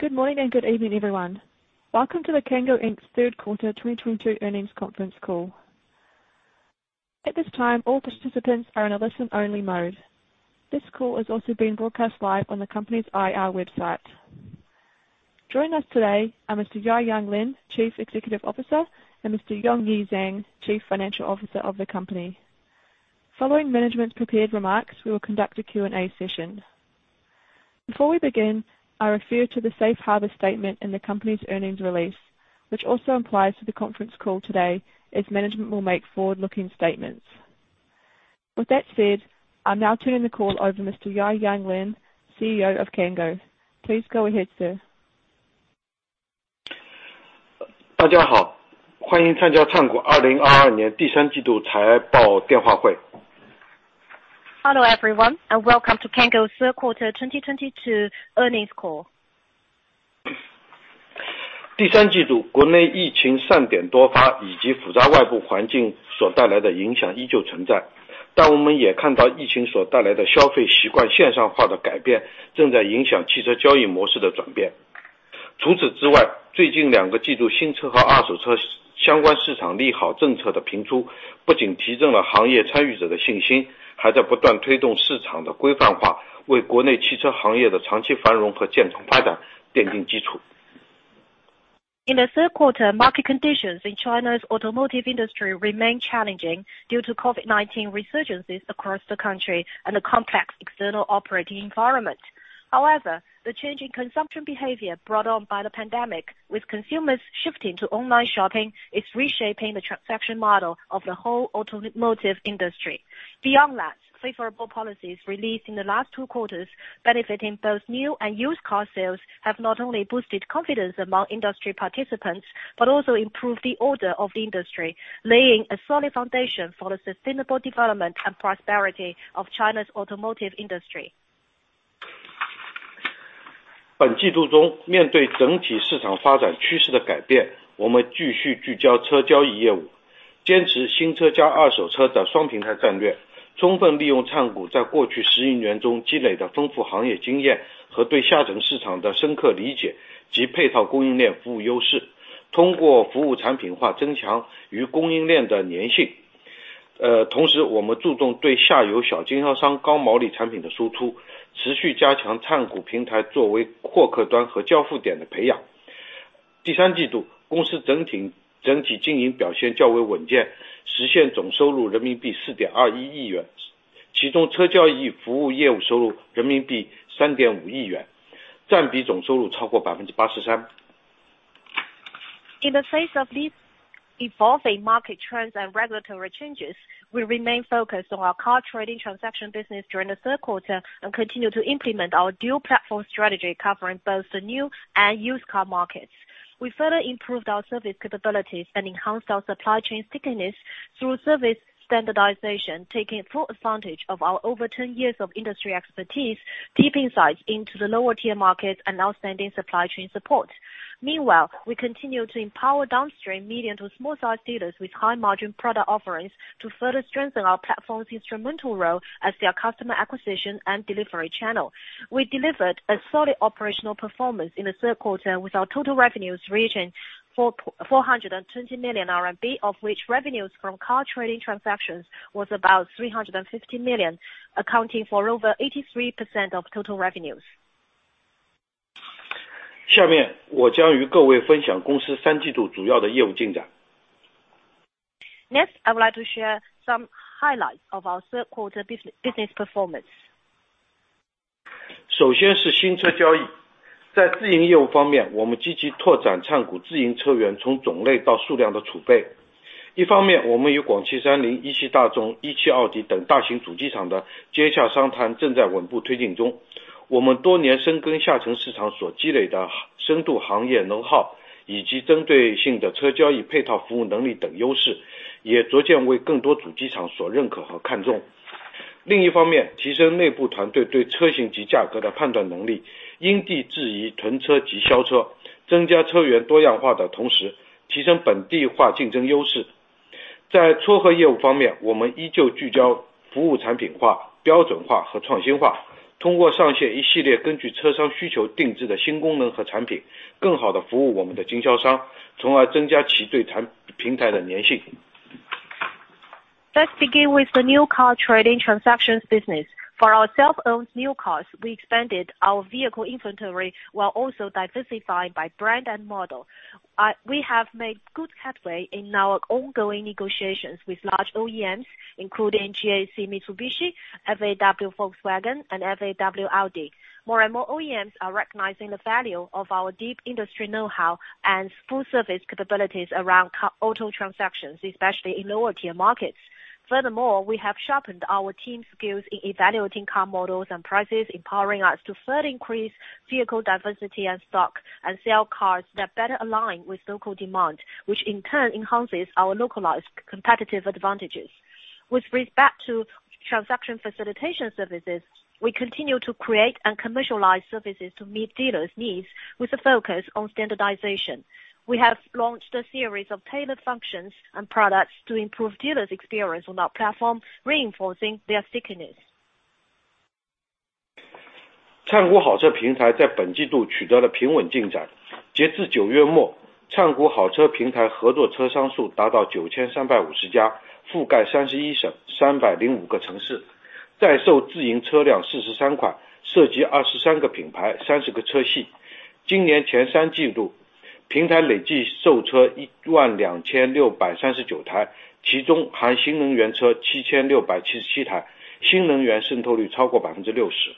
Good morning and good evening, everyone. Welcome to the Cango Inc.'s Third Quarter 2022 Earnings Conference Call. At this time, all participants are in a listen only mode. This call is also being broadcast live on the company's IR website. Joining us today are Mr. Jiayuan Lin, Chief Executive Officer, and Mr. Yongyi Zhang, Chief Financial Officer of the company. Following management prepared remarks, we will conduct a Q&A session. Before we begin, I refer to the Safe Harbor statement in the company's earnings release, which also applies to the conference call today as management will make forward-looking statements. With that said, I'll now turn the call over Mr. Jiayuan Lin, CEO of Cango. Please go ahead, sir. Hello, everyone, and welcome to Cango's Third Quarter 2022 Earnings Call. In the third quarter, market conditions in China's automotive industry remained challenging due to COVID-19 resurgences across the country and a complex external operating environment. However, the change in consumption behavior brought on by the pandemic, with consumers shifting to online shopping, is reshaping the transaction model of the whole automotive industry. Beyond that, favorable policies released in the last two quarters benefiting both new and used car sales have not only boosted confidence among industry participants, but also improved the order of the industry, laying a solid foundation for the sustainable development and prosperity of China's automotive industry. In the face of these evolving market trends and regulatory changes, we remain focused on our car trading transaction business during the third quarter and continue to implement our dual platform strategy covering both the new and used car markets. We further improved our service capabilities and enhanced our supply chain stickiness through service standardization, taking full advantage of our over 10 years of industry expertise, deep insights into the lower tier markets, and outstanding supply chain support. We continue to empower downstream medium to small sized dealers with high margin product offerings to further strengthen our platform's instrumental role as their customer acquisition and delivery channel. We delivered a solid operational performance in the third quarter, with our total revenues reaching 420 million RMB, of which revenues from car trading transactions was about 350 million, accounting for over 83% of total revenues. I would like to share some highlights of our third quarter business performance. Let's begin with the new car trading transactions business. For our self-owned new cars, we expanded our vehicle inventory while also diversifying by brand and model. We have made good headway in our ongoing negotiations with large OEMs, including GAC Mitsubishi, FAW Volkswagen, and FAW Audi. More and more OEMs are recognizing the value of our deep industry know-how and full service capabilities around auto transactions, especially in lower tier markets. Furthermore, we have sharpened our team's skills in evaluating car models and prices, empowering us to further increase vehicle diversity and stock, and sell cars that better align with local demand, which in turn enhances our localized competitive advantages. With respect to transaction facilitation services, we continue to create and commercialize services to meet dealers' needs with a focus on standardization. We have launched a series of tailored functions and products to improve dealers' experience on our platform, reinforcing their stickiness. 灿谷好车平台在本季度取得了平稳进展。截至九月 末， 灿谷好车平台合作车商数达到九千三百五十 家， 覆盖三十一 省， 三百零五个城 市， 在售自营车辆四十三 款， 涉及二十三个品 牌， 三十个车系。今年前三季度，平台累计售车一万两千六百三十九 台， 其中含新能源车七千六百七十七 台， 新能源渗透率超过百分之六十。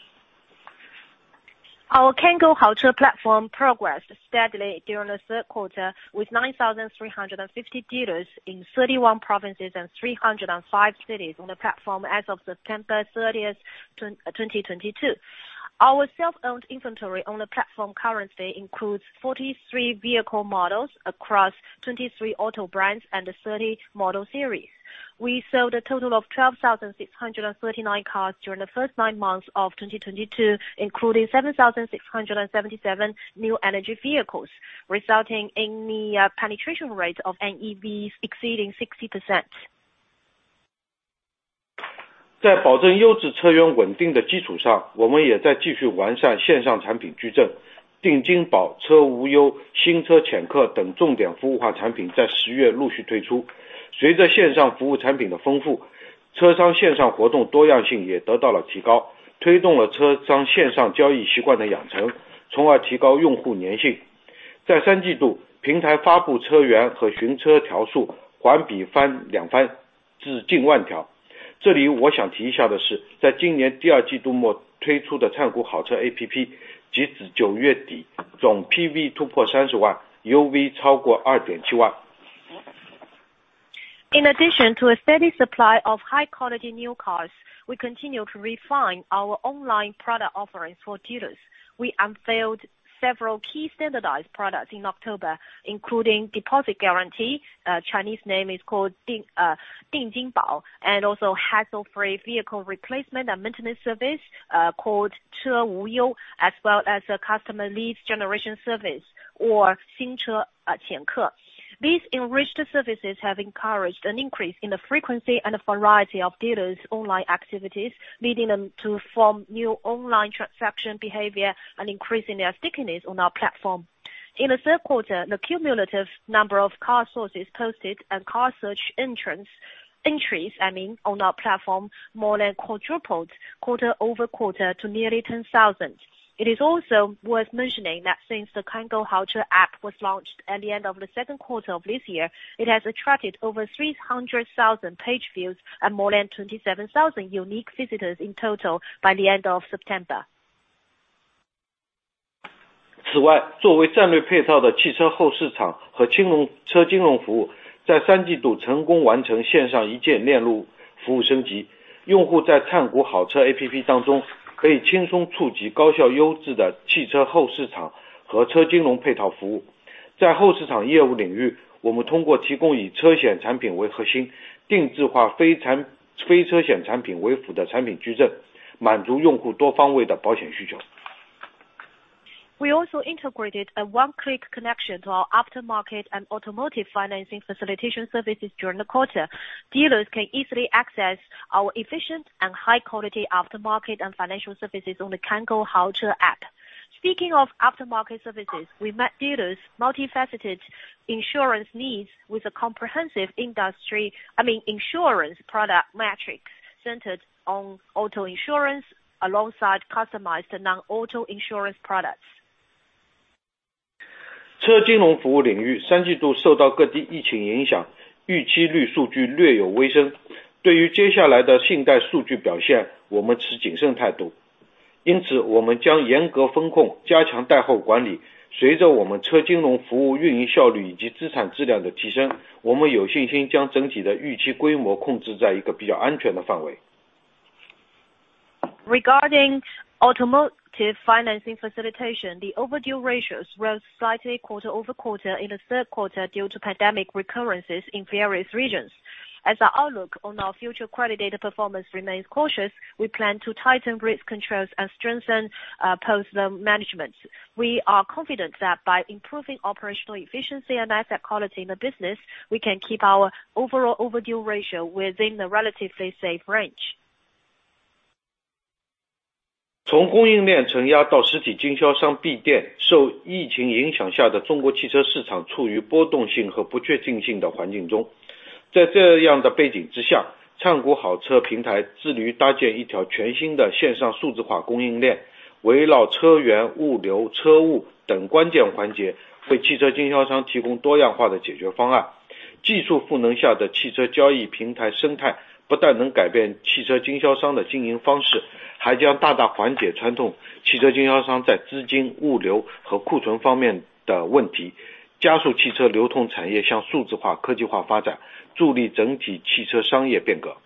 Our Cango Haoche platform progressed steadily during the third quarter, with 9,350 dealers in 31 provinces and 305 cities on the platform as of September 30th, 2022. Our self-owned inventory on the platform currently includes 43 vehicle models across 23 auto brands and 30 model series. We sold a total of 12,639 cars during the first 9 months of 2022, including 7,677 new energy vehicles, resulting in the penetration rate of NEVs exceeding 60%. 在保证优质车源稳定的基础 上， 我们也在继续完善线上产品矩阵。定金宝、车无忧、新车潜客等重点服务化产品在十月陆续推出。随着线上服务产品的丰 富， 车商线上活动多样性也得到了提 高， 推动了车商线上交易习惯的养 成， 从而提高用户粘性。在三季 度， 平台发布车源和寻车条数环比翻两 番， 至近万条。这里我想提一下的 是， 在今年第二季度末推出的灿谷好车 APP， 截止九月 底， 总 PV 突破三十万 ，UV 超过二点七万。In addition to a steady supply of high-quality new cars, we continue to refine our online product offerings for dealers. We unveiled several key standardized products in October, including Deposit Guarantee. Chinese name is called 定金保, and also hassle-free vehicle replacement and maintenance service, called 车无忧, as well as a customer leads generation service or 新车潜客. These enriched services have encouraged an increase in the frequency and variety of dealers' online activities, leading them to form new online transaction behavior and increasing their stickiness on our platform. In the third quarter, the cumulative number of car sources posted and car search entrants, entries I mean, on our platform more than quadrupled quarter-over-quarter to nearly 10,000. It is also worth mentioning that since the Cango Haoche APP was launched at the end of the second quarter of this year, it has attracted over 300,000 page views and more than 27,000 unique visitors in total by the end of September. 作为战略配套的汽车后市场和金 融， 车金融服 务， 在 third quarter 成功完成线上一键链路服务升级。用户在 Cango Haoche APP 当中可以轻松触及高效优质的汽车后市场和车金融配套服务。在后市场业务领 域， 我们通过提供以车险产品为核 心， 定制化非车险产品为辅的产品矩 阵， 满足用户多方位的保险需求。We also integrated a one-click connection to our aftermarket and automotive financing facilitation services during the quarter. Dealers can easily access our efficient and high quality aftermarket and financial services on the Cango Haoche APP. Speaking of aftermarket services, we met dealers' multifaceted insurance needs with a comprehensive industry, I mean insurance product matrix centered on auto insurance alongside customized non-auto insurance products. 车金融服务领域三季度受到各地疫情影 响， 预期率数据略有微升。对于接下来的信贷数据表 现， 我们持谨慎态 度， 因此我们将严格风 控， 加强贷后管理。随着我们车金融服务运营效率以及资产质量的提 升， 我们有信心将整体的预期规模控制在一个比较安全的范围。Regarding automotive financing facilitation, the overdue ratios rose slightly quarter-over-quarter in the third quarter due to pandemic recurrences in various regions. As our outlook on our future credit data performance remains cautious, we plan to tighten risk controls and strengthen post-loan management. We are confident that by improving operational efficiency and asset quality in the business, we can keep our overall overdue ratio within the relatively safe range. 从供应链承压到实体经销商闭店。受疫情影响下的中国汽车市场处于波动性和不确定性的环境中。在这样的背景之 下， 灿谷好车平台致力于搭建一条全新的线上数字化供应 链， 围绕车源、物流、车务等关键环 节， 为汽车经销商提供多样化的解决方案。技术赋能下的汽车交易平台生态不但能改变汽车经销商的经营方 式， 还将大大缓解传统汽车经销商在资金、物流和库存方面的问 题， 加速汽车流通产业向数字化、科技化发 展， 助力整体汽车商业变革。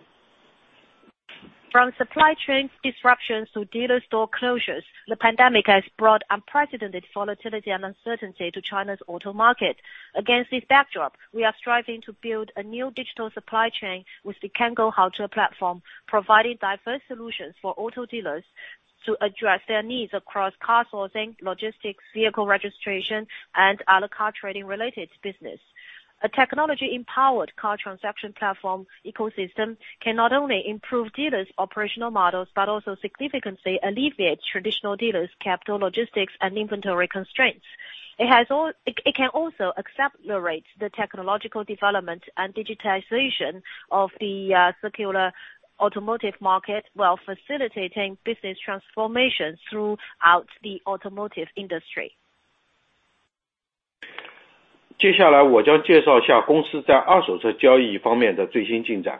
From supply chains disruptions to dealer store closures, the pandemic has brought unprecedented volatility and uncertainty to China's auto market. Against this backdrop, we are striving to build a new digital supply chain with the Cango Haoche platform, providing diverse solutions for auto dealers to address their needs across car sourcing, logistics, vehicle registration, and other car trading related business. A technology empowered car transaction platform ecosystem can not only improve dealers' operational models, but also significantly alleviate traditional dealers' capital, logistics, and inventory constraints. It can also accelerate the technological development and digitization of the circular automotive market while facilitating business transformation throughout the automotive industry. 接下来我将介绍下公司在二手车交易方面的最新进 展.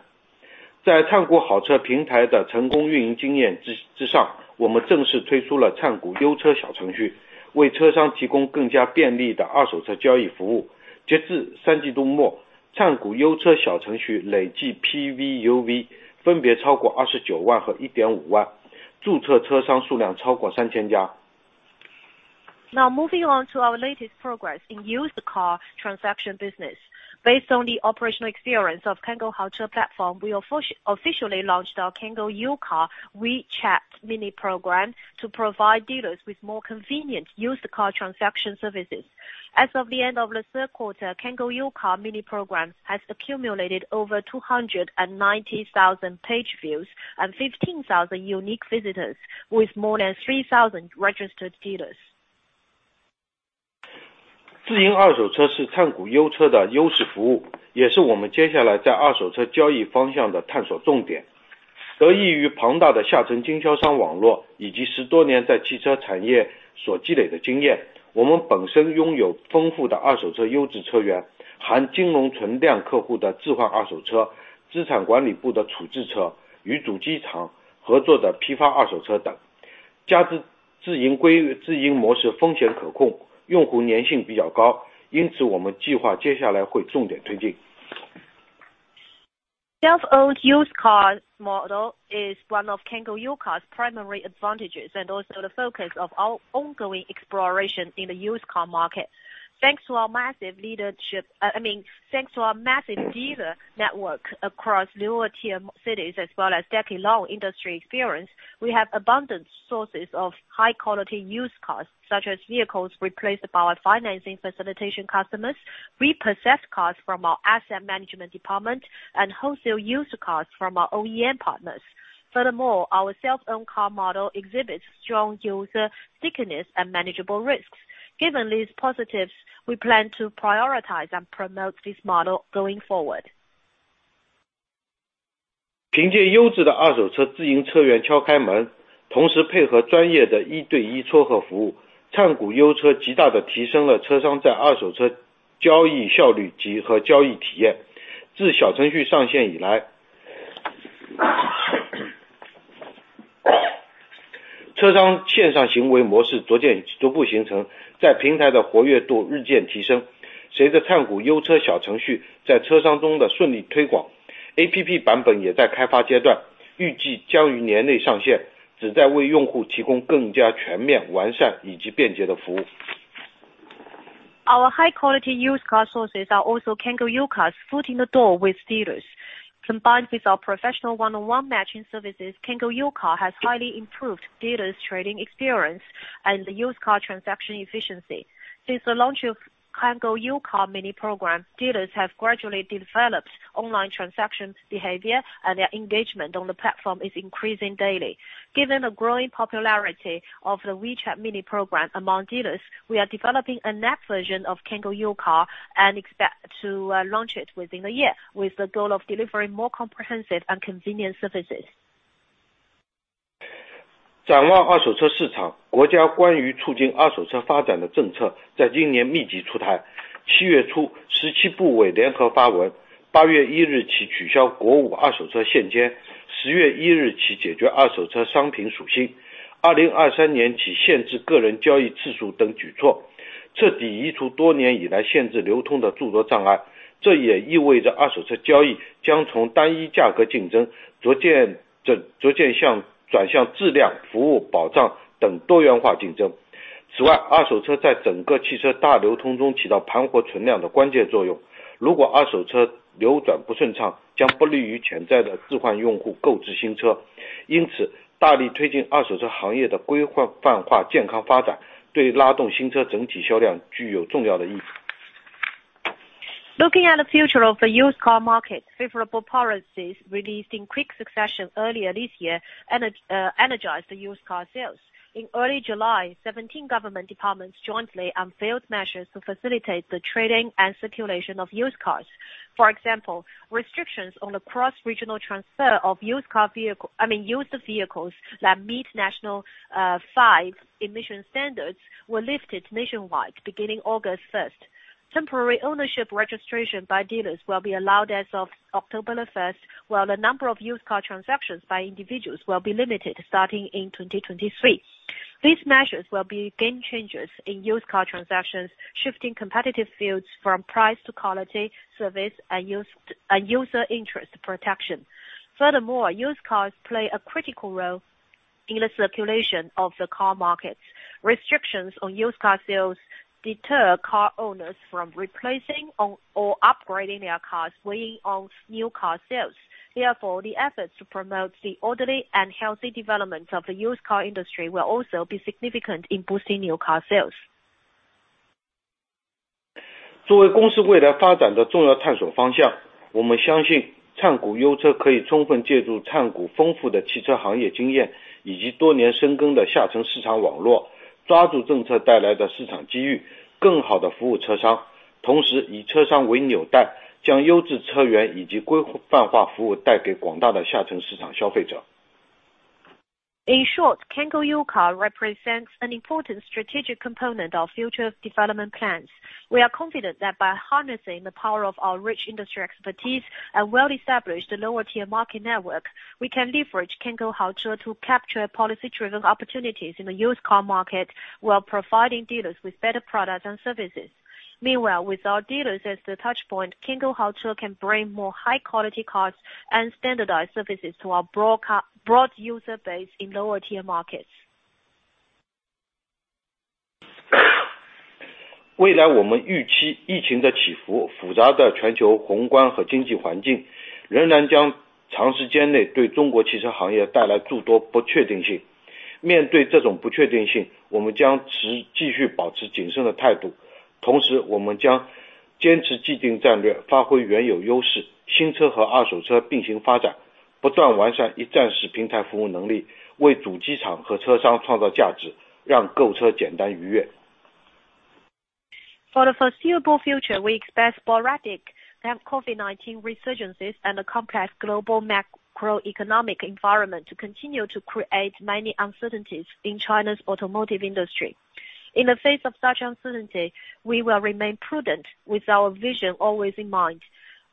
在 Cango Haoche 平台的成功运营经验之 上， 我们正式推出了 Cango U-Car 小程 序， 为车商提供更加便利的二手车交易服 务. 截至 Q3 end， Cango U-Car 小程序累计 PV, UV 分别超过 290,000 和 15,000， 注册车商数量超过 3,000 家. Now moving on to our latest progress in used car transaction business. Based on the operational experience of Cango Haoche platform, we officially launched our Cango U-Car WeChat Mini Program to provide dealers with more convenient used car transaction services. As of the end of the third quarter, Cango U-Car Mini Program has accumulated over 290,000 page views and 15,000 unique visitors with more than 3,000 registered dealers. 自营二手车是灿谷优车的优势服 务， 也是我们接下来在二手车交易方向的探索重点。得益于庞大的下沉经销商网 络， 以及十多年在汽车产业所积累的经 验， 我们本身拥有丰富的二手车优质车 源， 含金融存量客户的置换二手车、资产管理部的处置车、与主机厂合作的批发二手车等。加之自营规 律， 自营模式风险可控，用户粘性比较 高， 因此我们计划接下来会重点推进。Self-owned used car model is one of Cango U-Car's primary advantages, and also the focus of our ongoing exploration in the used car market. Thanks to our massive leadership, I mean, thanks to our massive dealer network across lower tier cities as well as decade-long industry experience, we have abundant sources of high quality used cars, such as vehicles replaced by our financing facilitation customers, repossessed cars from our asset management department, and wholesale used cars from our OEM partners. Our self-owned car model exhibits strong user stickiness and manageable risks. Given these positives, we plan to prioritize and promote this model going forward. 凭借优质的二手车自营车源敲开 门， 同时配合专业的一对一撮合服 务， 灿谷优车极大地提升了车商在二手车交易效率及和交易体验。自小程序上线以 来， 车商线上行为模式逐渐逐步形 成， 在平台的活跃度日渐提升。随着灿谷优车小程序在车商中的顺利推广 ，APP 版本也在开发阶 段， 预计将于年内上 线， 旨在为用户提供更加全面、完善以及便捷的服务。Our high quality used car sources are also Cango U-Car's foot in the door with dealers. Combined with our professional one-on-one matching services, Cango U-Car has highly improved dealers' trading experience and used car transaction efficiency. Since the launch of Cango U-Car Mini Program, dealers have gradually developed online transaction behavior, and their engagement on the platform is increasing daily. Given the growing popularity of the WeChat Mini Program among dealers, we are developing an app version of Cango U-Car and expect to launch it within a year, with the goal of delivering more comprehensive and convenient services. 展望二手车市 场， 国家关于促进二手车发展的政策在今年密集出台。七月 初， 十七部委联合发 文， 八月一日起取消国五二手车限 迁， 十月一日起解决二手车商品属 性， 二零二三年起限制个人交易次数等举 措， 彻底移除多年以来限制流通的诸多障碍。这也意味着二手车交易将从单一价格竞 争， 逐 渐， 逐-逐渐向转向质量、服务、保障等多元化竞争。此 外， 二手车在整个汽车大流通中起到盘活存量的关键作用。如果二手车流转不顺 畅， 将不利于潜在的置换用户购置新车。因 此， 大力推进二手车行业的规范化健康发 展， 对拉动新车整体销量具有重要的意义。Looking at the future of the used car market, favorable policies released in quick succession earlier this year energized the used car sales. In early July, 17 government departments jointly unveiled measures to facilitate the trading and circulation of used cars. For example, restrictions on the cross-regional transfer of used car vehicle, I mean used vehicles that meet National V Emission Standards were lifted nationwide beginning August 1st. Temporary ownership registration by dealers will be allowed as of October 1st, while the number of used car transactions by individuals will be limited starting in 2023. These measures will be game changers in used car transactions, shifting competitive fields from price to quality, service, and user interest protection. Furthermore, used cars play a critical role in the circulation of the car markets. Restrictions on used car sales deter car owners from replacing or upgrading their cars, weighing on new car sales. The efforts to promote the orderly and healthy development of the used car industry will also be significant in boosting new car sales. 作为公司未来发展的重要探索方向。我们相信灿谷优车可以充分借助灿谷丰富的汽车行业经 验， 以及多年深耕的下沉市场网 络， 抓住政策带来的市场机 遇， 更好地服务车 商， 同时以车商为纽 带， 将优质车源以及规范化服务带给广大的下沉市场消费者。In short, Cango U-Car represents an important strategic component of future development plans. We are confident that by harnessing the power of our rich industry expertise and well-established lower tier market network, we can leverage Cango Haoche to capture policy-driven opportunities in the used car market while providing dealers with better products and services. Meanwhile, with our dealers as the touch point, Cango Haoche can bring more high quality cars and standardized services to our broad user base in lower tier markets. 未来我们预期疫情的起 伏， 复杂的全球宏观和经济环 境， 仍然将长时间内对中国汽车行业带来诸多不确定性。面对这种不确定 性， 我们将持继续保持谨慎的态度。同 时， 我们将坚持既定战 略， 发挥原有优 势， 新车和二手车并行发 展， 不断完善一站式平台服务能 力， 为主机厂和车商创造价 值， 让购车简单愉悦。For the foreseeable future, we expect sporadic to have COVID-19 resurgences and a complex global macroeconomic environment to continue to create many uncertainties in China's automotive industry. In the face of such uncertainty, we will remain prudent with our vision always in mind.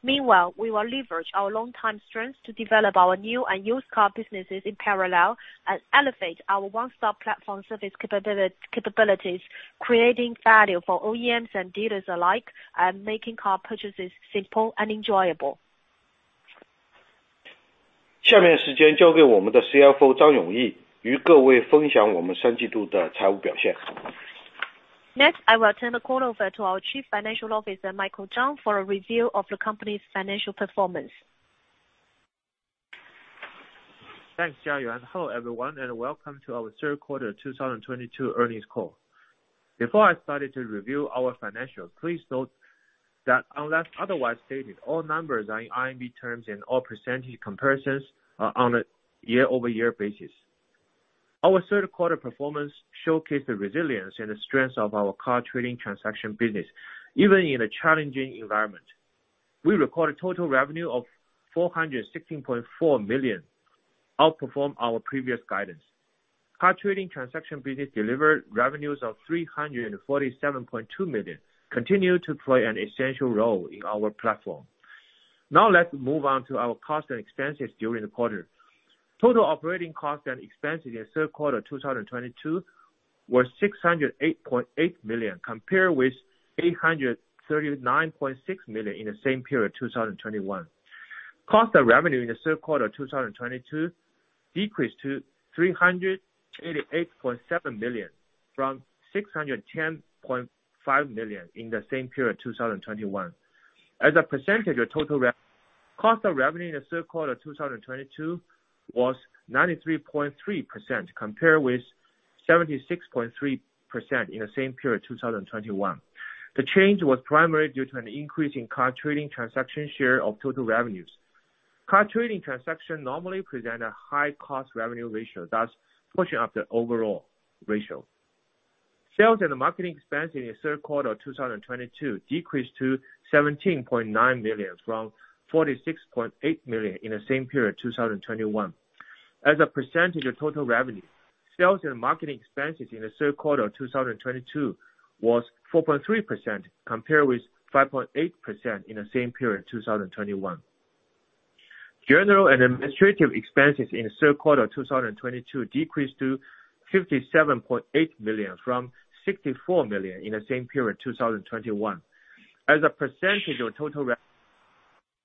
Meanwhile, we will leverage our longtime strengths to develop our new and used car businesses in parallel and elevate our one-stop platform service capabilities, creating value for OEMs and dealers alike, and making car purchases simple and enjoyable. 下面时间交给我们的 CFO 张永 毅， 与各位分享我们三季度的财务表现。Next, I will turn the call over to our Chief Financial Officer, Michael Zhang, for a review of the company's financial performance. Thanks, Jiayuan. Hello, everyone, welcome to our Third Quarter 2022 Earnings Call. Before I started to review our financials, please note that unless otherwise stated, all numbers are in RMB terms and all percentage comparisons are on a year-over-year basis. Our third quarter performance showcased the resilience and the strength of our car trading transaction business, even in a challenging environment. We recorded total revenue of 416.4 million, outperform our previous guidance. Car trading transaction business delivered revenues of 347.2 million, continue to play an essential role in our platform. Let's move on to our costs and expenses during the quarter. Total operating costs and expenses in the third quarter 2022 were 608.8 million, compared with 839.6 million in the same period, 2021. Cost of revenue in the third quarter 2022 decreased to 388.7 million, from 610.5 million in the same period, 2021. As a percentage of total rev, cost of revenue in the third quarter 2022 was 93.3% compared with 76.3% in the same period, 2021. The change was primarily due to an increase in car trading transaction share of total revenues. Car trading transaction normally present a high cost revenue ratio, thus pushing up the overall ratio. Sales and marketing expense in the third quarter 2022 decreased to 17.9 million from 46.8 million in the same period, 2021. As a percentage of total revenue, sales and marketing expenses in the third quarter of 2022 was 4.3% compared with 5.8% in the same period, 2021. General and administrative expenses in the third quarter of 2022 decreased to 57.8 million from 64 million in the same period, 2021. As a percentage of total rev,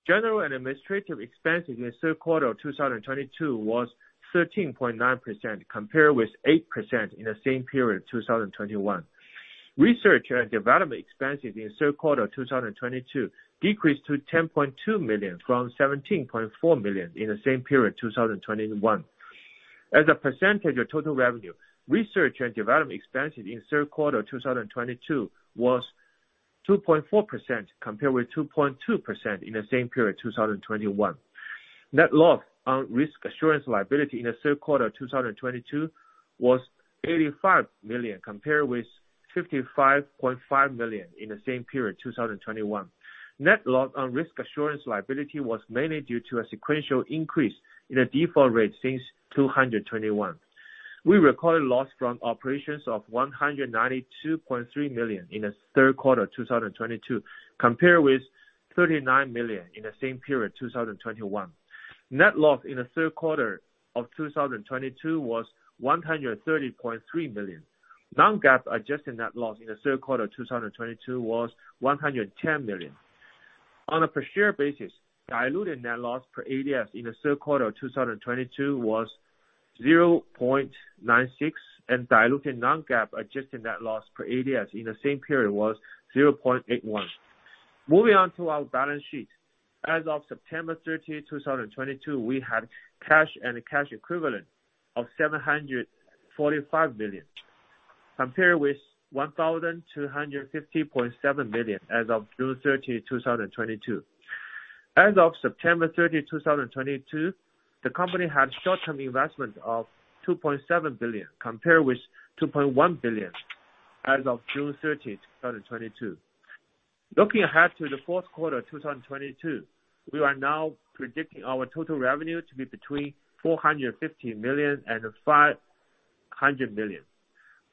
general and administrative expenses in the third quarter of 2022 was 13.9% compared with 8% in the same period, 2021. Research and development expenses in the third quarter of 2022 decreased to 10.2 million from 17.4 million in the same period, 2021. As a percentage of total revenue, research and development expenses in the third quarter of 2022 was 2.4% compared with 2.2% in the same period, 2021. Net loss on risk assurance liability in the third quarter of 2022 was 85 million, compared with 55.5 million in the same period, 2021. Net loss on risk assurance liability was mainly due to a sequential increase in the default rate since 2021. We recorded loss from operations of 192.3 million in the third quarter of 2022, compared with 39 million in the same period, 2021. Net loss in the third quarter of 2022 was 130.3 million. Non-GAAP adjusted net loss in the third quarter of 2022 was $110 million. On a per share basis, diluted net loss per ADS in the third quarter of 2022 was 0.96, and diluted Non-GAAP adjusted net loss per ADS in the same period was 0.81. Moving on to our balance sheet. As of September 30, 2022, we had cash and cash equivalent of 745 million, compared with 1,250.7 million as of June 30, 2022. As of September 30, 2022, the company had short-term investment of 2.7 billion, compared with 2.1 billion as of June 30, 2022. Looking ahead to the fourth quarter of 2022, we are now predicting our total revenue to be between 450 million and 500 million.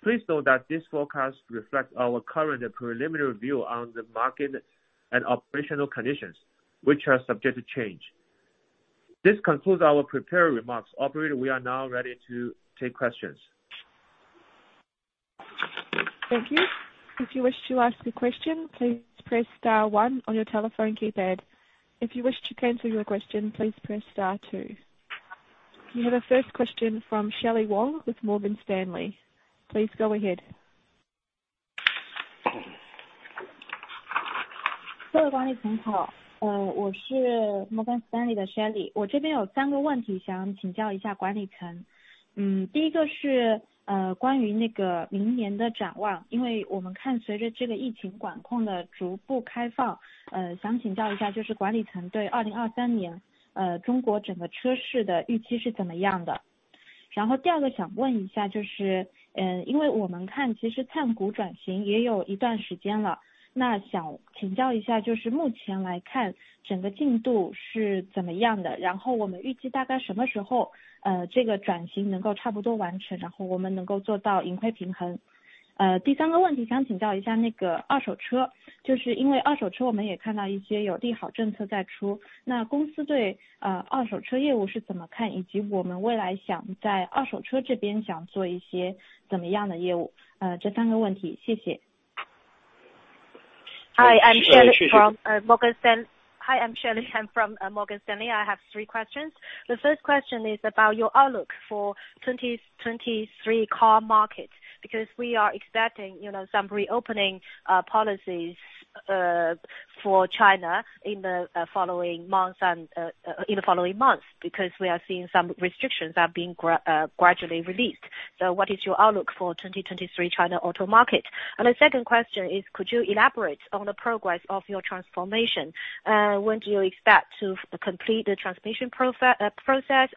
Please note that this forecast reflects our current and preliminary view on the market and operational conditions, which are subject to change. This concludes our prepared remarks. Operator, we are now ready to take questions. Thank you. If you wish to ask a question, please press star one on your telephone keypad. If you wish to cancel your question, please press star two. You have a first question from Shelly Wang with Morgan Stanley. Please go ahead. 我是 Morgan Stanley 的 Shelly Wang。我这边有3个问题想要请教一下管理层。第一个是关于那个明年的展 望， 因为我们看随着这个疫情管控的逐步开 放， 想请教一 下， 就是管理层对2023年中国整个车市的预期是怎么样 的？ 第二个想问一下就是因为我们看其实灿谷转型也有一段时间了，那想请教一 下， 就是目前来看整个进度是怎么样 的， 我们预计大概什么时候这个转型能够差不多完 成， 我们能够做到盈亏平衡。第三个问题想请教一 下， 那个二手 车， 就是因为二手车我们也看到一些有利好政策在 出， 那公司对二手车业务是怎么 看， 以及我们未来想在二手车这边想做一些怎么样的业 务？ 这3个问 题， 谢谢。Hi, I'm Shelly Wang. I'm from Morgan Stanley. I have three questions. The first question is about your outlook for 2023 car market. We are expecting, you know, some reopening policies for China in the following months. We are seeing some restrictions are being gradually released. What is your outlook for 2023 China auto market? The second question is, could you elaborate on the progress of your transformation? When do you expect to complete the transformation process,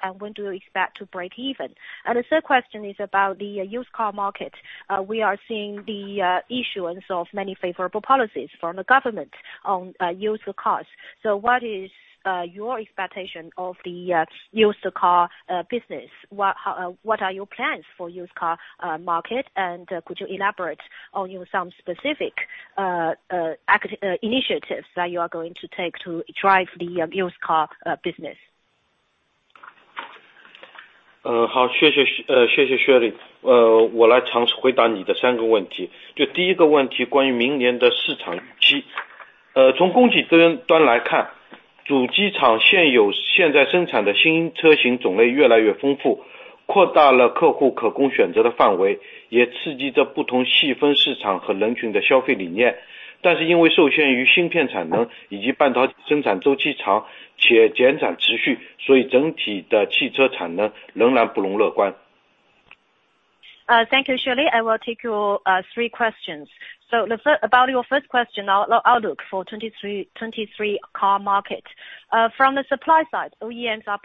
and when do you expect to break even? The third question is about the used car market. We are seeing the issuance of many favorable policies from the government on used cars. What is your expectation of the used car business? What, how, what are your plans for used car market? Could you elaborate on your some specific, act, initiatives that you are going to take to drive the used car business? 呃， 好， 谢 谢， 呃， 谢谢 Shelly。呃， 我来尝试回答你的三个问题。就第一个问 题， 关于明年的市场预期。呃， 从供给这边端来 看， 主机厂现有现在生产的新车型种类越来越丰 富， 扩大了客户可供选择的范 围， 也刺激着不同细分市场和人群的消费理念。但是因为受限于芯片产能以及半导生产周期长且减产持 续， 所以整体的汽车产能仍然不容乐观。Thank you, Shelly. I will take your three questions. about your first question, outlook for 2023 car market. From the supply side, OEMs are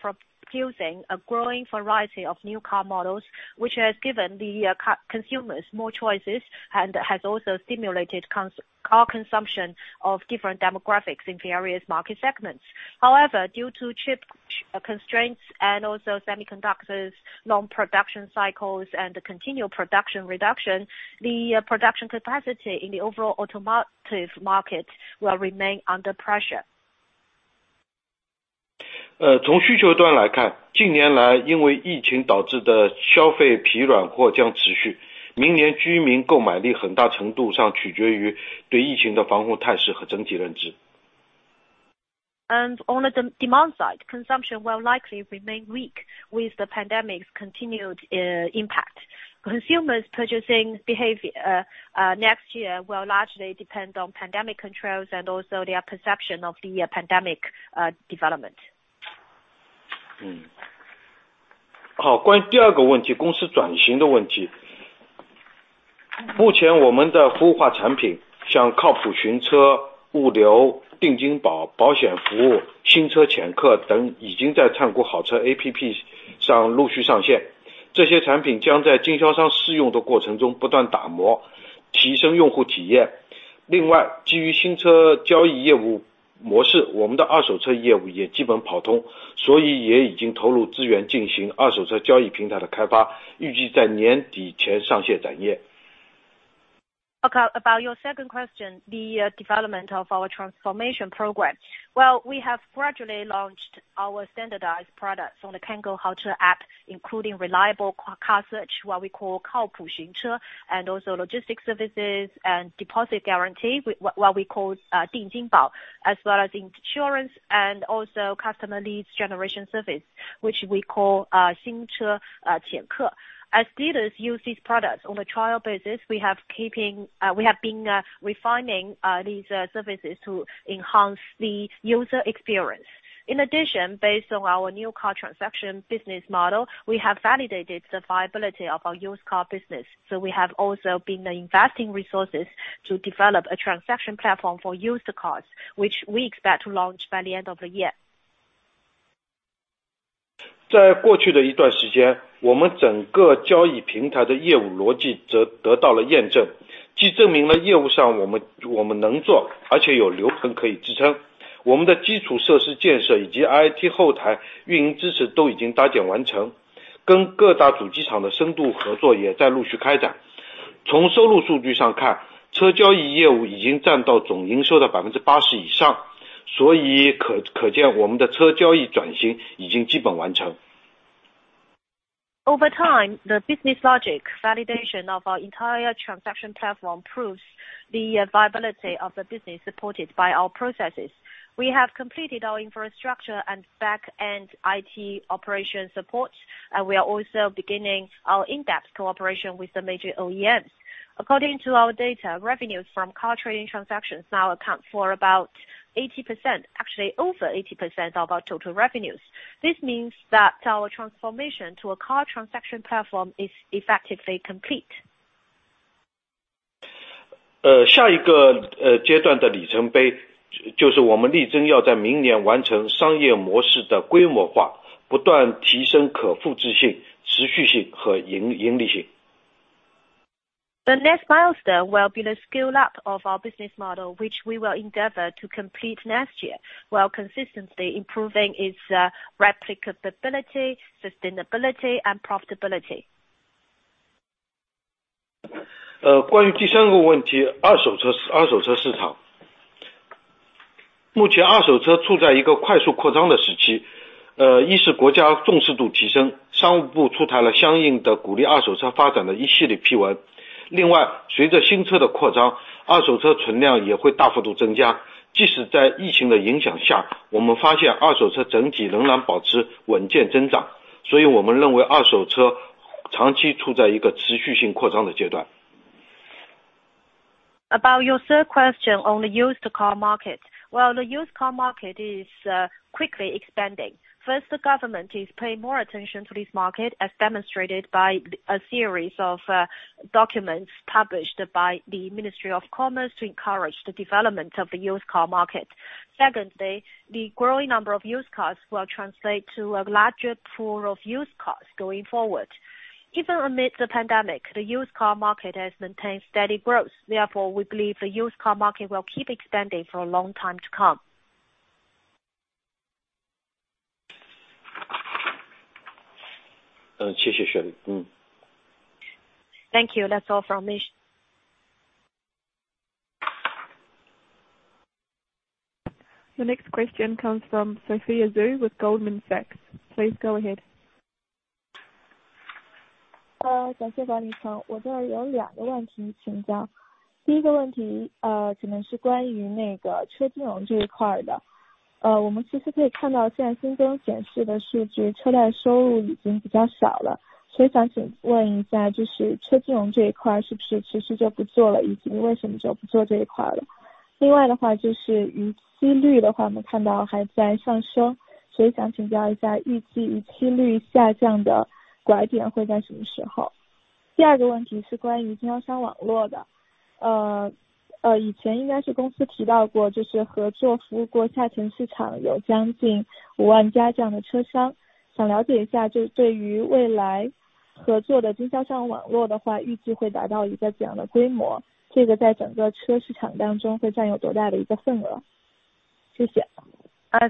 producing a growing variety of new car models, which has given the consumers more choices and has also stimulated car consumption of different demographics in the various market segments. However, due to chip constraints and also semiconductors long production cycles and the continual production reduction, the production capacity in the overall automotive market will remain under pressure. 呃， 从需求端来 看， 近年来因为疫情导致的消费疲软或将持 续， 明年居民购买力很大程度上取决于对疫情的防护态势和整体认知。On the demand side, consumption will likely remain weak with the pandemic's continued impact. Consumers' purchasing behavior next year will largely depend on pandemic controls and also their perception of the pandemic development. 嗯。好， 关于第二个问 题， 公司转型的问题。目前我们的服务化产品像靠谱寻车、物流、定金宝、保险服务、新车潜客等已经在灿谷好车 APP 上陆续上线。这些产品将在经销商试用的过程中不断打 磨， 提升用户体验。另 外， 基于新车交易业务模 式， 我们的二手车业务也基本跑 通， 所以也已经投入资源进行二手车交易平台的开 发， 预计在年底前上线崭业。Okay, about your second question, the development of our transformation program. Well, we have gradually launched our standardized products on the Cango Haoche APP, including reliable car search, what we call 靠谱寻车, and also logistics services and deposit guarantee, what we call 定金保, as well as insurance and also customer leads generation service, which we call 新车潜客. As dealers use these products on a trial basis, we have been refining these services to enhance the user experience. In addition, based on our new car transaction business model, we have validated the viability of our used car business. We have also been investing resources to develop a transaction platform for used cars, which we expect to launch by the end of the year. 在过去的一段时 间， 我们整个交易平台的业务逻辑则得到了验 证， 既证明了业务上我们能 做， 而且有流程可以支撑。我们的基础设施建设以及 IT 后台运营支持都已经搭建完 成， 跟各大主机厂的深度合作也在陆续开展。从收入数据上 看， 车交易业务已经占到总营收的 80% 以 上， 可见我们的车交易转型已经基本完成。Over time, the business logic validation of our entire transaction platform proves the viability of the business supported by our processes. We have completed our infrastructure and back-end IT operation support, we are also beginning our in-depth cooperation with the major OEMs. According to our data, revenues from car trading transactions now account for about 80%, actually over 80% of our total revenues. This means that our transformation to a car transaction platform is effectively complete. 下一个阶段的里程 碑， 就是我们力争要在明年完成商业模式的规模 化， 不断提升可复制性、持续性和盈利性。The next milestone will be the scale up of our business model, which we will endeavor to complete next year, while consistently improving its replicability, sustainability and profitability. 呃， 关于第三个问 题， 二手 车， 二手车市场。目前二手车处在一个快速扩张的时 期， 呃， 一是国家重视度提 升， 商务部出台了相应的鼓励二手车发展的一系列批文。另 外， 随着新车的扩 张， 二手车存量也会大幅度增加。即使在疫情的影响 下， 我们发现二手车整体仍然保持稳健增 长， 所以我们认为二手车长期处在一个持续性扩张的阶段。About your third question on the used car market. Well, the used car market is quickly expanding. First, the government is paying more attention to this market, as demonstrated by a series of documents published by the Ministry of Commerce to encourage the development of the used car market. Secondly, the growing number of used cars will translate to a larger pool of used cars going forward. Even amid the pandemic, the used car market has maintained steady growth. Therefore, we believe the used car market will keep expanding for a long time to come. 谢 谢， 谢谢。Thank you. That's all from me. The next question comes from Xueqing Zhu with Goldman Sachs. Please go ahead. 呃， 感谢王尼成，我这儿有两个问题请教。第一个问 题， 呃， 可能是关于那个车金融这一块的。呃， 我们其实可以看到现在新灯显示的数 据， 车贷收入已经比较少 了， 所以想请问一 下， 就是车金融这一块是不是其实就不做 了， 以及为什么就不做这一块了。另外的话就是逾期率的 话， 我们看到还在上 升， 所以想请教一 下， 预计逾期率下降的拐点会在什么时 候？ 第二个问题是关于经销商网络的。呃， 呃， 以前应该是公司提到 过， 就是合作服务过下沉市场有将近五万家这样的车 商， 想了解一 下， 就对于未来合作的经销商网络的 话， 预计会达到一个怎样的规 模， 这个在整个车市场当中会占有多大的一个份 额？ 谢谢。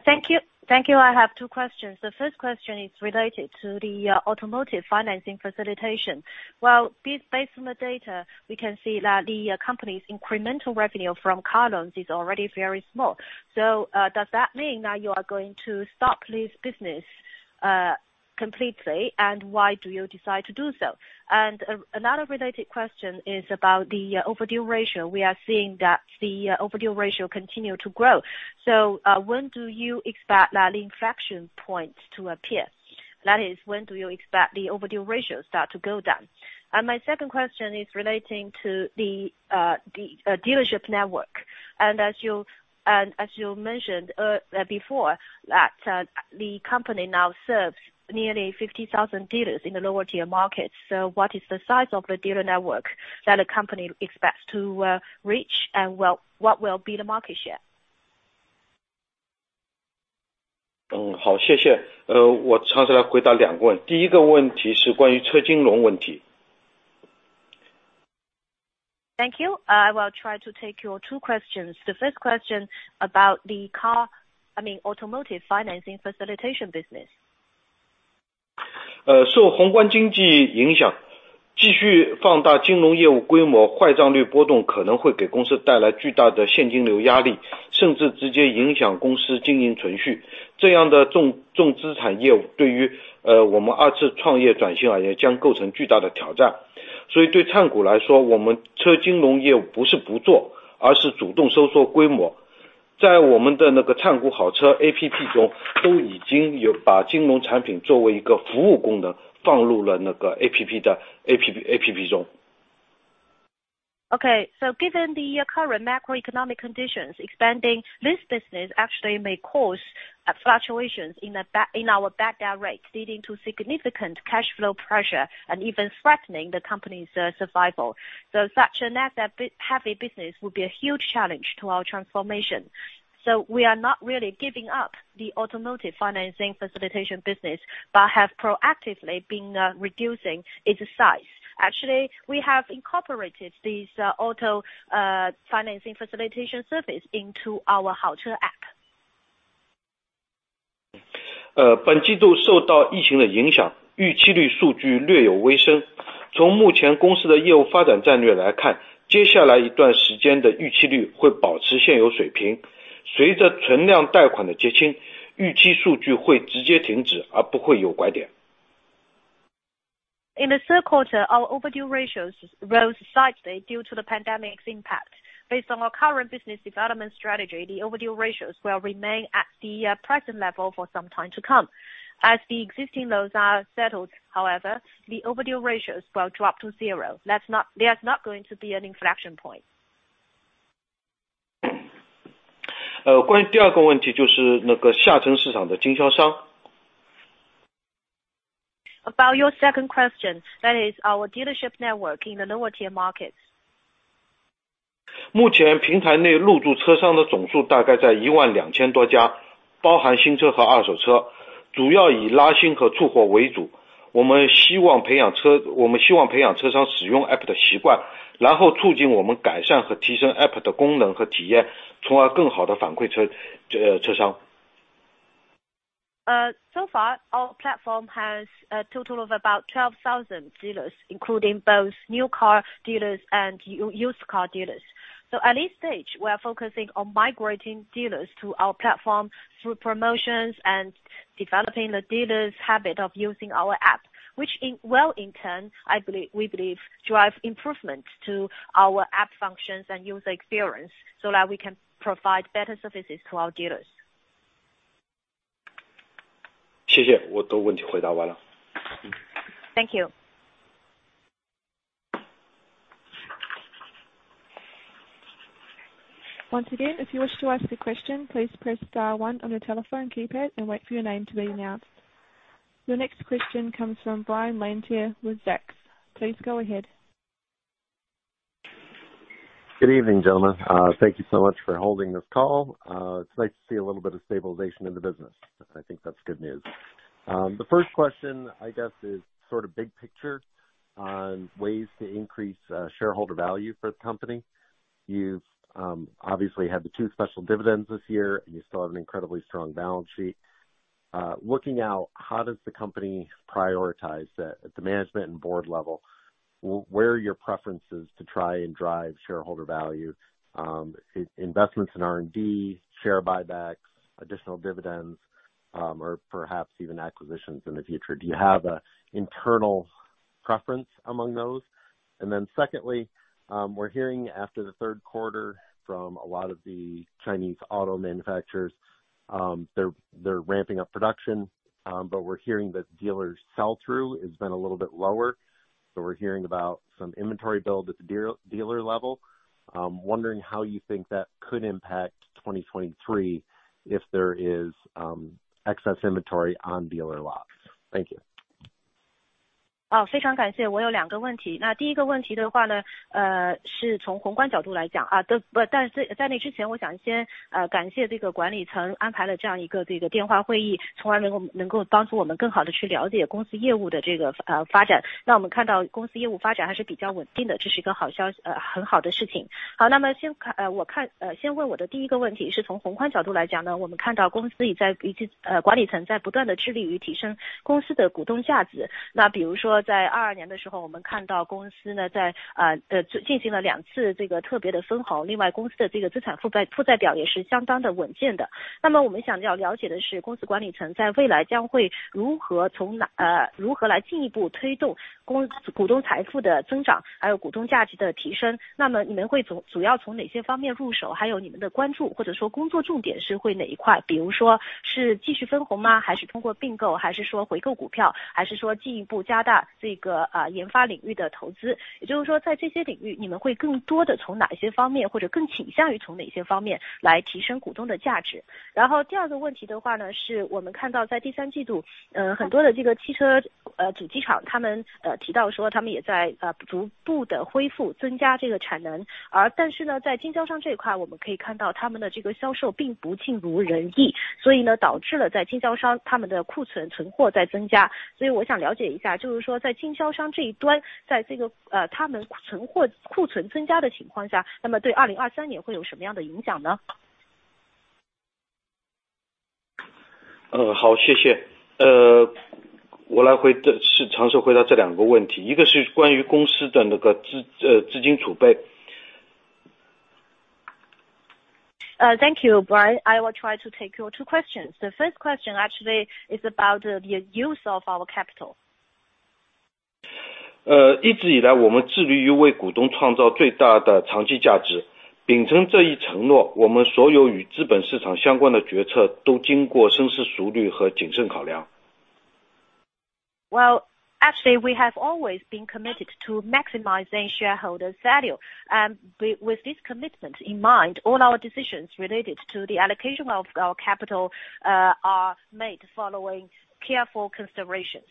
Thank you, thank you. I have two questions. The first question is related to the automotive financing facilitation. Based on the data, we can see that the company's incremental revenue from car loans is already very small. Does that mean that you are going to stop this business completely? Why do you decide to do so? Another related question is about the overdue ratio. We are seeing that the overdue ratio continue to grow. When do you expect that inflection points to appear? That is, when do you expect the overdue ratio start to go down? My second question is relating to the dealership network. As you mentioned before, that the company now serves nearly 50,000 dealers in the lower tier markets. What is the size of the dealer network that the company expects to reach? What will be the market share? 嗯， 好， 谢谢。呃， 我尝试来回答两个问 题， 第一个问题是关于车金融问题。Thank you. I will try to take your two questions. The first question about the car, I mean automotive financing facilitation business. 受宏观经济影 响, 继续放大金融业务规 模, 坏账率波动可能会给公司带来巨大的现金流压 力, 甚至直接影响公司经营存 续. 这样的重资产业务对于我们二次创业转型而 言, 将构成巨大的挑 战. 对 Cango 来 说, 我们车金融业务不是不 做, 而是主动收缩规 模. 在我们的那个 Cango Haoche APP 中, 都已经有把金融产品作为一个服务功能放入了那个 APP 中. Given the current macroeconomic conditions, expanding this business actually may cause fluctuations in our bad debt rate leading to significant cash flow pressure and even threatening the company's survival. Such an asset heavy business will be a huge challenge to our transformation. We are not really giving up the automotive financing facilitation business, but have proactively been reducing its size. Actually, we have incorporated these auto financing facilitation service into our Cango Haoche APP. 本季度受到疫情的影 响， 预期率数据略有微升。从目前公司的业务发展战略来 看， 接下来一段时间的预期率会保持现有水平。随着存量贷款的结 清， 预期数据会直接停 止， 而不会有拐点。In the third quarter, our overdue ratios rose slightly due to the pandemic's impact. Based on our current business development strategy, the overdue ratios will remain at the present level for some time to come. As the existing loans are settled, however, the overdue ratios will drop to zero. There's not going to be an inflection point. 关于第二个问 题， 就是那个下沉市场的经销商。About your second question, that is our dealership network in the lower tier markets. 目前平台内入驻车商的总数大概在一万两千多 家， 包含新车和二手 车， 主要以拉新和促活为主。我们希望培养 车， 我们希望培养车商使用 APP 的习 惯， 然后促进我们改善和提升 APP 的功能和体 验， 从而更好地反馈 车， 车， 车商。So far our platform has a total of about 12,000 dealers, including both new car dealers and used car dealers. At this stage, we are focusing on migrating dealers to our platform through promotions and developing the dealers' habit of using our APP, which will in turn, I believe, we believe drive improvements to our APP functions and user experience so that we can provide better services to our dealers. 谢谢。我都问题回答完了。Thank you. Once again, if you wish to ask a question, please press star 1 on your telephone keypad and wait for your name to be announced. Your next question comes from Brian Lanier with Zacks. Please go ahead. Good evening, gentlemen. Thank you so much for holding this call. It's nice to see a little bit of stabilization in the business. I think that's good news. The first question, I guess, is sort of big picture on ways to increase shareholder value for the company. You've obviously had the two special dividends this year. You still have an incredibly strong balance sheet. Looking out, how does the company prioritize that at the management and board level? Where are your preferences to try and drive shareholder value? Investments in R&D, share buybacks, additional dividends, or perhaps even acquisitions in the future? Do you have an internal preference among those? Secondly, we're hearing after the third quarter from a lot of the Chinese auto manufacturers, they're ramping up production. We're hearing that dealers sell through has been a little bit lower. We're hearing about some inventory build at the dealer level. Wondering how you think that could impact 2023 if there is excess inventory on dealer lots. Thank you. 哦， 非常感谢。我有两个问 题， 那第一个问题的话 呢， 呃， 是从宏观角度来讲 啊， 但， 但， 但在那之前我想 先， 呃， 感谢这个管理层安排了这样一个这个电话会 议， 从而能 够， 能够帮助我们更好地去了解公司业务的这 个， 呃， 发展。那我们看到公司业务发展还是比较稳定 的， 这是一个好消 息， 呃， 很好的事情。好， 那么先 看， 呃， 我 看， 呃， 先问我的第一个问题是从宏观角度来讲 呢， 我们看到公司也在一 些， 呃， 管理层在不断地致力于提升公司的股东价值。那比如说在22年的时 候， 我们看到公司呢 在， 啊， 呃， 进行了两次这个特别的分 红， 另外公司的这个资产负 债， 负债表也是相当的稳健的。那么我们想要了解的 是， 公司管理层在未来将会如 何， 从 哪， 呃， 如何来进一步推动公司股东财富的增 长， 还有股东价值的提 升， 那么你们会 主， 主要从哪些方面入 手？ 还有你们的关注或者说工作重点是会哪一 块？ 比如说是继续分红 吗？ 还是通过并 购？ 还是说回购股 票？ 还是说进一步加大这 个， 呃， 研发领域的投 资？ 也就是说在这些领 域， 你们会更多地从哪些方 面， 或者更倾向于从哪些方面来提升股东的价 值？ 然后第二个问题的话 呢， 是我们看到在第三季 度， 呃， 很多的这个汽 车， 呃，主机 厂， 他 们， 呃， 提到说他们也 在， 呃， 逐步地恢复增加这个产 能， 而但是 呢， 在经销商这一 块， 我们可以看到他们的这个销售并不尽如人 意， 所以 呢， 导致了在经销商他们的库存存货在增加。所以我想了解一 下， 就是说在经销商这一 端， 在这 个， 呃， 他们存货库存增加的情况 下， 那么对2023年会有什么样的影响 呢？ 呃， 好， 谢谢。呃， 我来 回， 这是尝试回答这两个问 题， 一个是关于公司的那个 资， 呃资金储备。Thank you, Brian. I will try to take your two questions. The first question actually is about the use of our capital. 一直以 来, 我们致力于为股东创造最大的长期价 值. 秉承这一承 诺, 我们所有与资本市场相关的决策都经过深思熟虑和谨慎考 量. Well, actually we have always been committed to maximizing shareholder value. With this commitment in mind, all our decisions related to the allocation of our capital are made following careful considerations.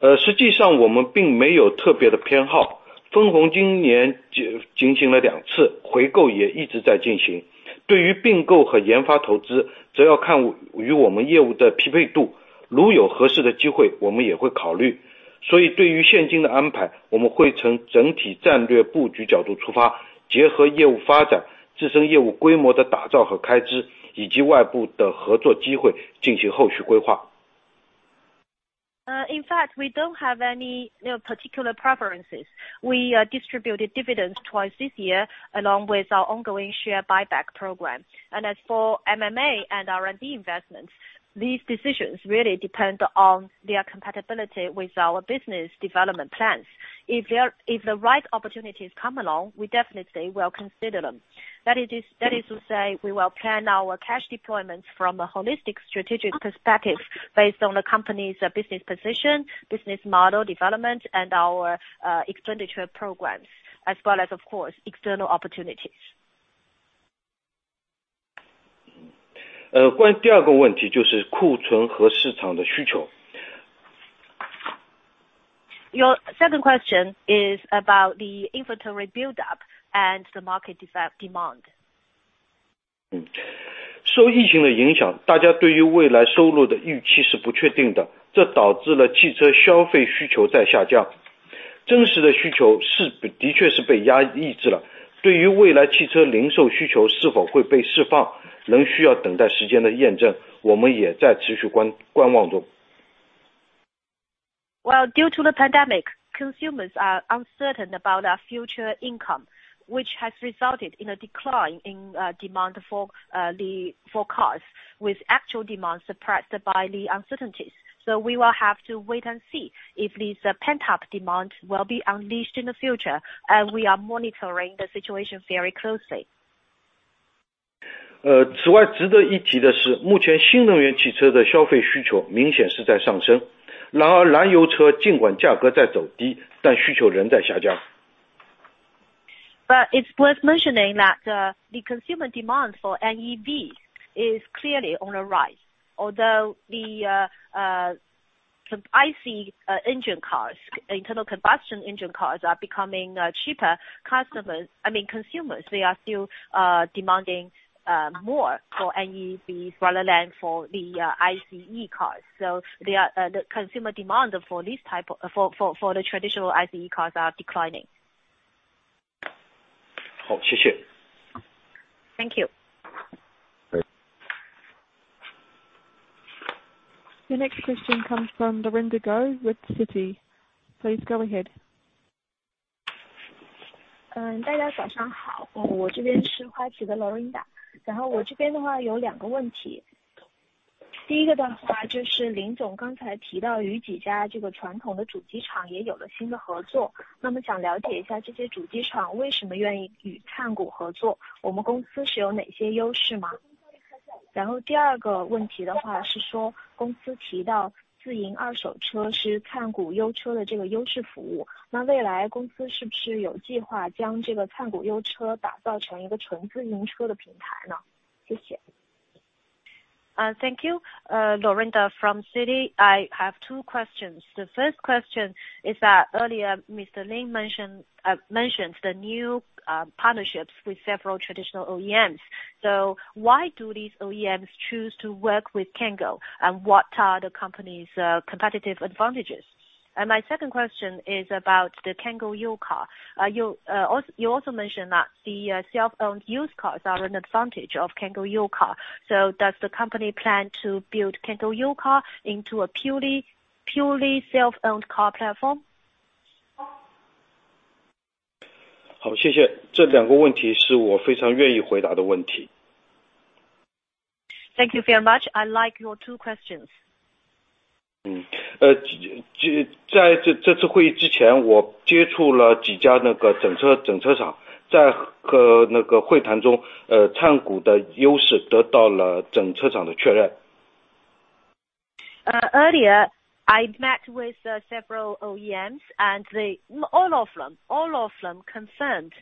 呃实际上我们并没有特别的偏好。分红今年就进行了两 次， 回购也一直在进行。对于并购和研发投 资， 则要看与我们业务的匹配 度， 如有合适的机 会， 我们也会考虑。所以对于现金的安 排， 我们会从整体战略布局角度出 发， 结合业务发展、自身业务规模的打造和开 支， 以及外部的合作机会进行后续规划。In fact, we don't have any particular preferences. We distributed dividends twice this year along with our ongoing share buyback program. As for M&A and R&D investments, these decisions really depend on their compatibility with our business development plans. If the right opportunities come along, we definitely will consider them. That is to say, we will plan our cash deployments from a holistic strategic perspective based on the company's business position, business model development and our expenditure programs, as well as, of course, external opportunities. 关于第二个问 题， 就是库存和市场的需 求. Your second question is about the inventory build up and the market de-demand. 受疫情的影 响， 大家对于未来收入的预期是不确定 的， 这导致了汽车消费需求在下降。真实的需求是的确是被压抑制了。对于未来汽车零售需求是否会被释放，仍需要等待时间的验 证， 我们也在持续观望中。Well, due to the pandemic, consumers are uncertain about our future income, which has resulted in a decline in demand for the forecast with actual demand suppressed by the uncertainties. We will have to wait and see if this pent-up demand will be unleashed in the future. We are monitoring the situation very closely. 此 外, 值得一提的 是, 目前新能源汽车的消费需求明显是在上 升. 燃油车尽管价格在走 低, 但需求仍在下 降. It's worth mentioning that the consumer demand for NEV is clearly on the rise. Although the IC engine cars, internal combustion engine cars are becoming cheaper, customers, I mean consumers, they are still demanding more for NEVs rather than for the ICE cars. The consumer demand for this type of, for the traditional ICE cars are declining. 好， 谢谢。Thank you. The next question comes from Lorinda Guo with Citi. Please go ahead. 嗯大家早上好，我这边是花旗的 Lorinda， 然后我这边的话有两个问题。第一个的话就是林总刚才提到与几家这个传统的主机厂也有了新的合 作， 那么想了解一下这些主机厂为什么愿意与灿谷合 作， 我们公司是有哪些优势 吗？ 然后第二个问题的话是说公司提到自营二手车是灿谷优车的这个优势服 务， 那未来公司是不是有计划将这个灿谷优车打造成一个纯自营车的平台 呢？ 谢谢。Thank you, Lorinda from Citi. I have two questions. The first question is that earlier Mr. Lin mentioned mentioned the new partnerships with several traditional OEMs. Why do these OEMs choose to work with Cango? What are the company's competitive advantages? My second question is about the Cango used car. You also mentioned that the self-owned used cars are an advantage of Cango used car. Does the company plan to build Cango used car into a purely self-owned car platform? 好， 谢谢。这两个问题是我非常愿意回答的问题。Thank you very much. I like your two questions. 在这次会议之 前, 我接触了几家那个整车 厂, 在和那个会谈 中, Cango 的优势得到了整车厂的确 认. Earlier, I met with several OEMs and they all of them concerned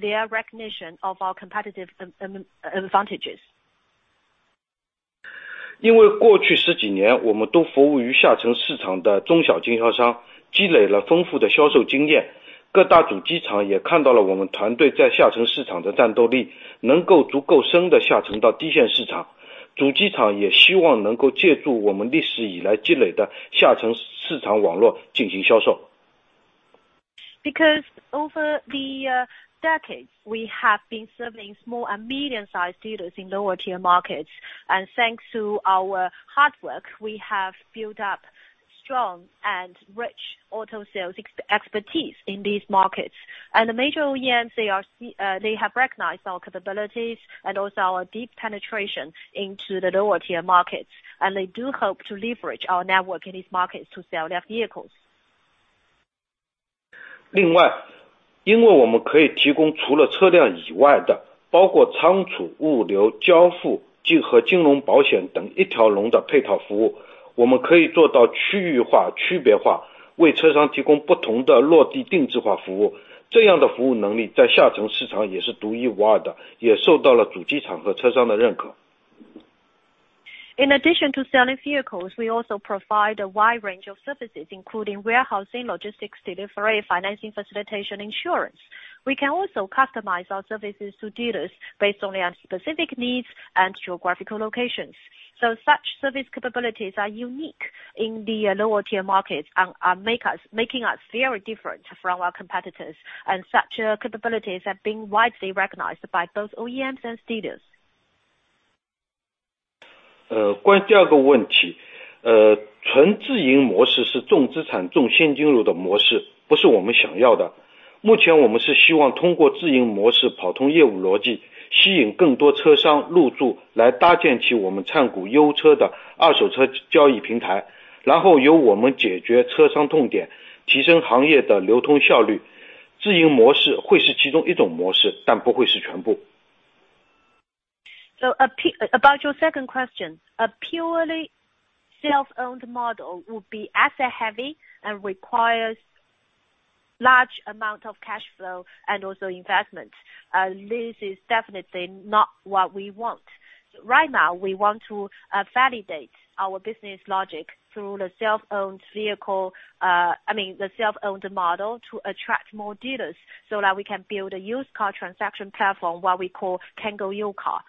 their recognition of our competitive advantages. 因为过去十几年我们都服务于下沉市场的中小经销 商， 积累了丰富的销售经 验， 各大主机厂也看到了我们团队在下沉市场的战斗 力， 能够足够深地下沉到低线市场。主机厂也希望能够借助我们历史以来积累的下沉市场网络进行销售。Because over the decades, we have been serving small and medium-sized dealers in lower tier markets. Thanks to our hard work, we have built up strong auto sales expertise in these markets. The major OEMs, they have recognized our capabilities and also our deep penetration into the lower tier markets, they do hope to leverage our network in these markets to sell their vehicles. 另外，因为我们可以提供除了车辆以外 的， 包括仓储、物流、交付及和金融保险等一条龙的配套服 务， 我们可以做到区域化、区别 化， 为车商提供不同的落地定制化服务。这样的服务能力在下沉市场也是独一无二 的， 也受到了主机厂和车商的认可。In addition to selling vehicles, we also provide a wide range of services, including warehousing, logistics, delivery, financing, facilitation, insurance. We can also customize our services to dealers based on their specific needs and geographical locations. Such service capabilities are unique in the lower tier markets and making us very different from our competitors, and such capabilities have been widely recognized by both OEMs and dealers. 呃， 关于第二个问 题， 呃， 纯自营模式是重资产、重现金流的模 式， 不是我们想要的。目前我们是希望通过自营模式跑通业务逻 辑， 吸引更多车商入 驻， 来搭建起我们灿谷优车的二手车交易平 台， 然后由我们解决车商痛 点， 提升行业的流通效率。自营模式会是其中一种模 式， 但不会是全部。About your second question. A purely self-owned model would be asset heavy and requires large amount of cash flow and also investment. This is definitely not what we want. Right now, we want to validate our business logic through the self-owned vehicle, I mean the self-owned model to attract more dealers so that we can build a used car transaction platform, what we call Cango U-Car.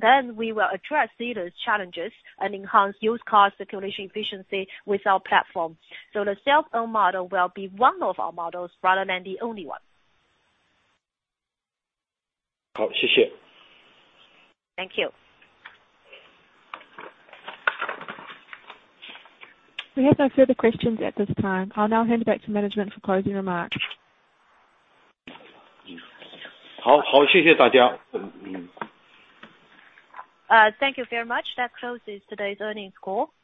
Then we will address dealers challenges and enhance used car circulation efficiency with our platform. The self-owned model will be one of our models rather than the only one. 好， 谢谢。Thank you. We have no further questions at this time. I'll now hand it back to management for closing remarks. 好， 好， 谢谢大家。Thank you very much. That closes today's earnings call.